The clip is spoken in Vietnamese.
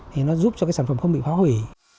thì nó giúp cho cái sản phẩm không bị phá hủy